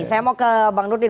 saya mau ke bang nurdin